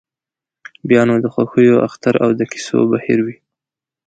بیا نو د خوښیو اختر او د کیسو بهیر وي.